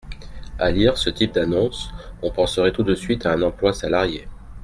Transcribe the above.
À lire ce type d’annonce, on penserait tout de suite à un emploi salarié.